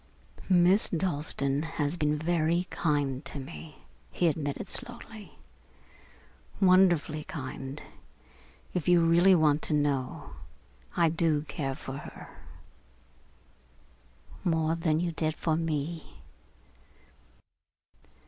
"Miss Dalstan has been very kind to me," he admitted slowly, "wonderfully kind. If you really want to know, I do care for her." "More than you did for me?"